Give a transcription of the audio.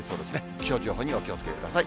気象情報にお気をつけください。